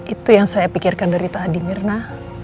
itu yang saya pikirkan dari tadi mirna